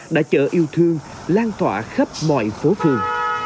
lại xuất hiện